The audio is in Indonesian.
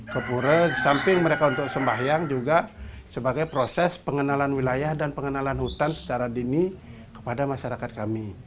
ke pura di samping mereka untuk sembahyang juga sebagai proses pengenalan wilayah dan pengenalan hutan secara dini kepada masyarakat kami